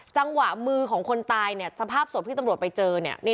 จังหวะมือของคนตายเนี่ยสภาพศพที่ตำรวจไปเจอเนี่ย